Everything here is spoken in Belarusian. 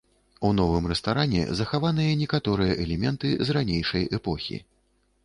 У новым рэстаране захаваныя некаторыя элементы з ранейшай эпохі.